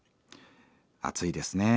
「暑いですね。